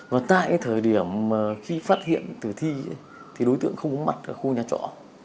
và tại cái thời điểm mà khi phát hiện tử thi thì đối tượng không có mặt ở khu nhà trọ